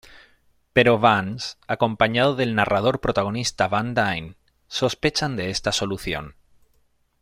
Pero Vance, acompañado del narrador protagonista Van Dine, sospechan de esta solución.